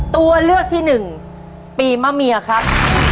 ตัวเลือกที่หนึ่งปีมะเมียครับ